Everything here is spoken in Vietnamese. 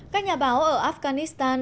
các nhà báo ở afghanistan